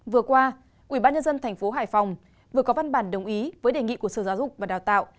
vừa qua ubnd tp hải phòng vừa có văn bản đồng ý với đề nghị của sở giáo dục và đào tạo